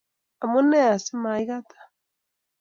amunee simaikataa